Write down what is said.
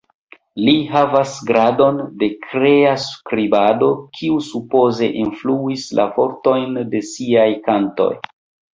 Li havas gradon de krea skribado, kiu supoze influis la vortojn de siaj kantoj.